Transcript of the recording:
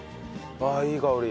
あっいい香り。